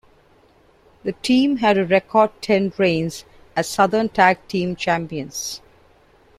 The team had a record ten reigns as Southern Tag Team Champions.